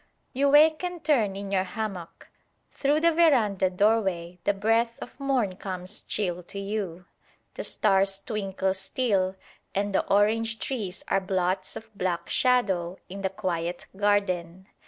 You wake and turn in your hammock. Through the verandah doorway the breath of morn comes chill to you. The stars twinkle still, and the orange trees are blots of black shadow in the quiet garden.